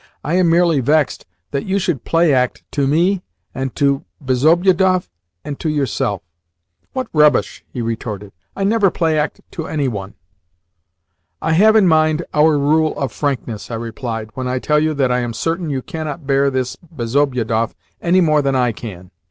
"I am merely vexed that you should play act to me, and to Bezobiedoff, and to yourself." "What rubbish!" he retorted. "I never play act to any one." "I have in mind our rule of frankness," I replied, "when I tell you that I am certain you cannot bear this Bezobiedoff any more than I can.